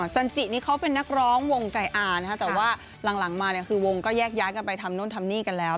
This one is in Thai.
จันจินี่เขาเป็นนักร้องวงไก่อานะคะแต่ว่าหลังมาเนี่ยคือวงก็แยกย้ายกันไปทำนู่นทำนี่กันแล้ว